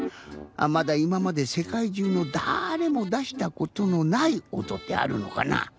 まだいままでせかいじゅうのだれもだしたことのないおとってあるのかな？